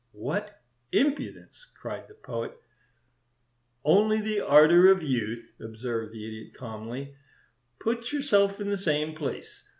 "What impudence!" cried the Poet. "Only the ardor of youth," observed the Idiot, calmly. "Put yourself in the same place.